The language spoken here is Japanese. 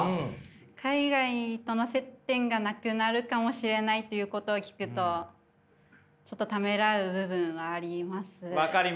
海外との接点がなくなるかもしれないということを聞くとちょっとためらう部分はあります。